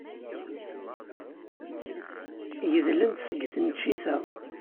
Gedlen-t seg tneččit-a.